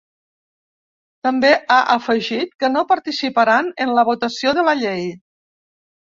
També ha afegit que no participaran en la votació de la llei.